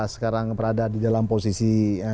sekarang berada di dalam posisi